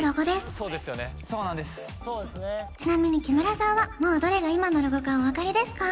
そうですよね・そうなんですちなみに木村さんはもうどれが今のロゴかお分かりですか？